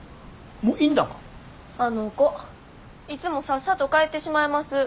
あの子いつもさっさと帰ってしまいます。